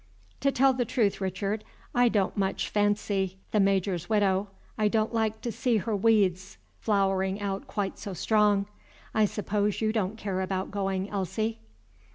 "To tell the truth, Richard, I don't mach fancy the Major's widow. I don't like to see her weeds flowering out quite so strong. I suppose you don't care about going, Elsie?"